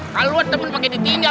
kalau luar temen pake dentinggal